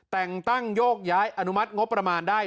แต่งตั้งโยกย้ายอนุมัติงบประมาณได้